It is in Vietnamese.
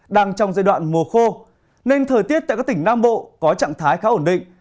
đang trong giai đoạn mùa khô nên thời tiết tại các tỉnh nam bộ có trạng thái khá ổn định